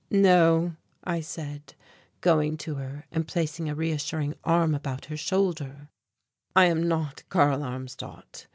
"No," I said, going to her and placing a reassuring arm about her shoulder, "I am not Karl Armstadt.